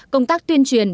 công tác tuyên truyền